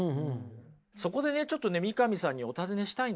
そこでねちょっとね三上さんにお尋ねしたいんですけど。